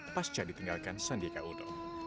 pasca ditinggalkan sandiaka udo